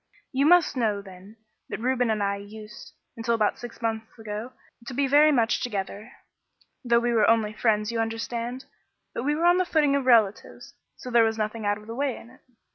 "You must know, then, that Reuben and I used, until about six months ago, to be very much together, though we were only friends, you understand. But we were on the footing of relatives, so there was nothing out of the way in it.